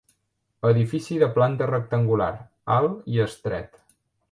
Edifici de planta rectangular, alt i estret.